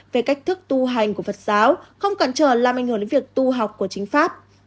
về cách thức tu hành của phật giáo không cản trở làm ảnh hưởng đến việc tu học của chính pháp